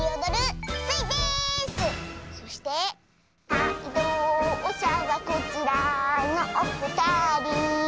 「かいとうしゃはこちらのおふたり」